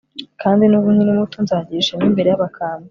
kandi n'ubwo nkiri muto, nzagira ishema imbere y'abakambwe